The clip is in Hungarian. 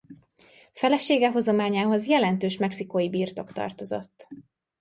Felesége hozományához jelentős mexikói birtok tartozott.